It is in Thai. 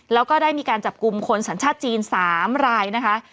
แล้วก็ได้มีการจับกลุ่มคนสัญชาติจีน๓รายนะคะ